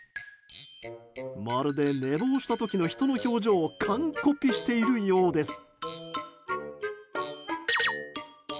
まるで寝坊した時の人の表情を完コピしているようです。